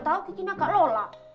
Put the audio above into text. tau kiki gak akan lola